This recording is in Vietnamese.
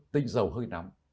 tinh dầu hơi nắm